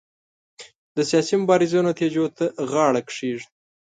د سیاسي مبارزو نتیجو ته غاړه کېږدي.